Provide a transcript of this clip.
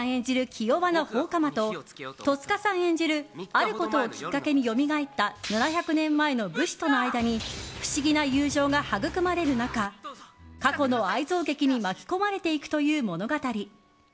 気弱な放火魔と戸塚さん演じる、あることをきっかけによみがえった７００年前の武士との間に不思議な友情が育まれる中過去の愛憎劇に巻き込まれていくという物語。